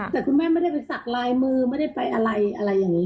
แต่คุณแม่ไม่ได้ไปสักลายมือไม่ได้ไปอะไรอะไรอย่างนี้